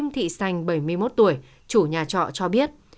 thị sành bảy mươi một tuổi chủ nhà trọ cho biết